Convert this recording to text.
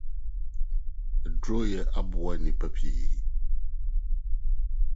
Aduruyɛ aboa nnipa pii.